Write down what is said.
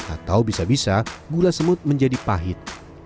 atau bisa bisa gula semut menjadi pahit